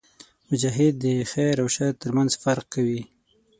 مجاهد د خیر او شر ترمنځ فرق کوي.